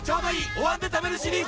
「お椀で食べるシリーズ」